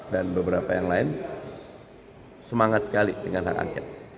dan beberapa yang lain semangat sekali dengan hak angket